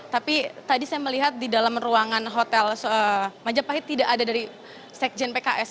tapi tadi saya melihat di dalam ruangan hotel majapahit tidak ada dari sekjen pks